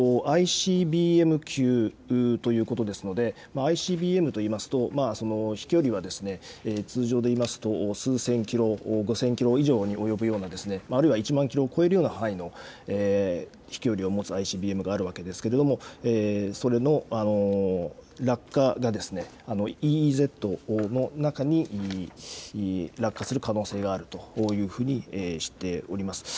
それとＩＣＢＭ級ということですのでＩＣＢＭといいますと、飛距離は通常で言いますと数千キロ、５０００キロ以上に及ぶような、あるいは１万キロを超えるような範囲の飛距離を持つＩＣＢＭがあるわけですけれどもそれの落下がＥＥＺの中に落下する可能性があるというふうにしております。